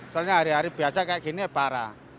soalnya hari hari biasa kayak gini ya parah